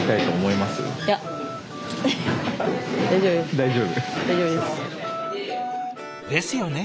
大丈夫です。ですよね。